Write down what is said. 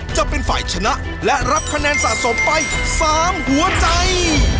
จะเป็นฝ่ายชนะและรับคะแนนสะสมไป๓หัวใจ